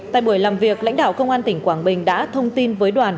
tại buổi làm việc lãnh đạo công an tỉnh quảng bình đã thông tin với đoàn